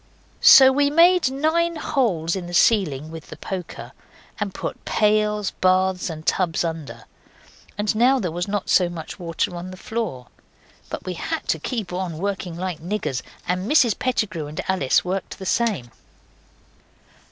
So we made nine holes in the ceiling with the poker, and put pails, baths and tubs under, and now there was not so much water on the floor. But we had to keep on working like niggers, and Mrs Pettigrew and Alice worked the same.